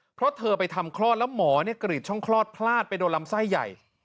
เพราะเธอไปทำคลอดแล้วหมอกรีดช่องคลอดพลาดไปโดนลำไส้ใหญ่